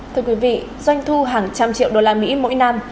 thưa quý vị doanh thu hàng trăm triệu đô la mỹ mỗi năm